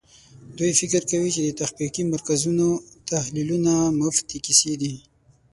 دوی فکر کوي چې د تحقیقي مرکزونو تحلیلونه مفتې کیسې دي.